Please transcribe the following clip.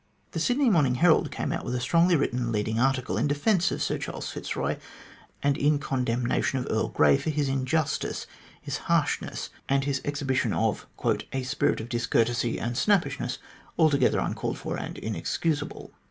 The Sydney Morning Herald came out with a strongly written leading article in defence of Sir Charles Fitzroy, and in condemnation of Earl Grey for his "injustice," his " harshness," and his exhibition of "a spirit of discourtesy and snappishness altogether uncalled for and inexcusable."